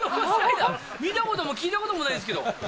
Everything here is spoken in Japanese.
見たことも聞いたこともないですけど。